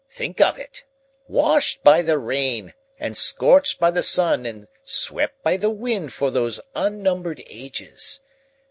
Think of it, washed by the rain and scorched by the sun and swept by the wind for those unnumbered ages.